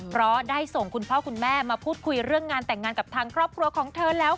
เพราะได้ส่งคุณพ่อคุณแม่มาพูดคุยเรื่องงานแต่งงานกับทางครอบครัวของเธอแล้ว